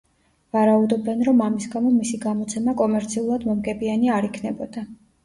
ვარაუდობენ, რომ ამის გამო მისი გამოცემა კომერციულად მომგებიანი არ იქნებოდა.